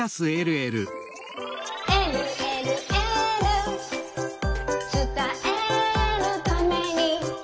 「えるえるエール」「つたえるために」